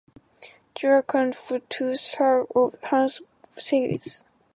Joe accounted for two-thirds of Hassenfeld's sales.